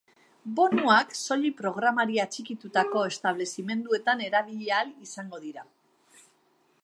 Bonuak soilik programari atxikitutako establezimenduetan erabili ahal izango dira.